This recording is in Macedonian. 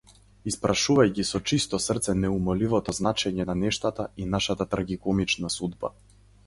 Испрашувај ги со чисто срце неумоливото значење на нештата и нашата трагикомична судба.